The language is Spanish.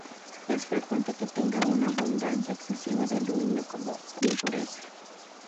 Es frecuente que tenga una abundancia excesiva de aluminio como impureza.